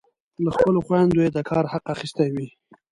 له خپلو خویندو یې د کار حق اخیستی وي.